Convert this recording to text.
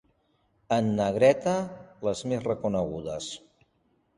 En negreta, les més reconegudes.